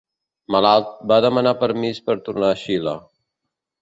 Malalt, va demanar permís per tornar a Xile.